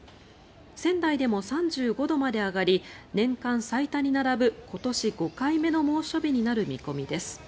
仙台でも３５度まで上がり年間最多に並ぶ今年５回目の猛暑日になる見込みです。